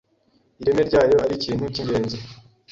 ireme ryayo ari ikintu k’ingenzi